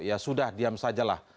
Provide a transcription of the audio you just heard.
ya sudah diam sajalah